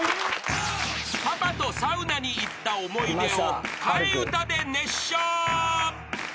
［パパとサウナに行った思い出を替え歌で熱唱］